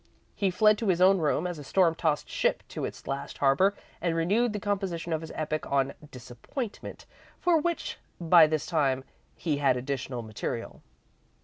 He fled to his own room as a storm tossed ship to its last harbour, and renewed the composition of his epic on "Disappointment," for which, by this time, he had additional material.